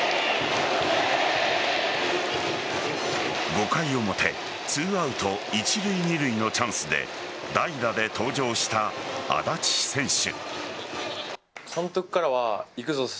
５回表２アウト一塁・二塁のチャンスで代打で登場した安達選手。